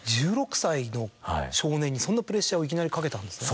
１６歳の少年にそんなプレッシャーをいきなりかけたんですね。